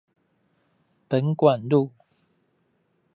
本館路